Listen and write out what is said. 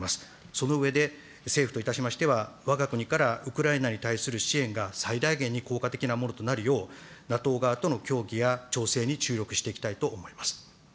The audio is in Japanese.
その上で、政府といたしましては、わが国からウクライナに対する支援が最大限に効果的なものとなるよう、ＮＡＴＯ側との協議や調整に注力していきたいと思います。